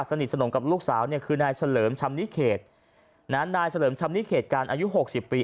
สนิทสนมกับลูกสาวเนี่ยคือนายเฉลิมชำนิเขตนายเฉลิมชำนิเขตการอายุหกสิบปี